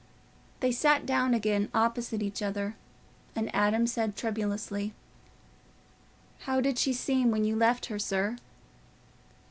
They sat down again opposite each other, and Adam said, tremulously, "How did she seem when you left her, sir?"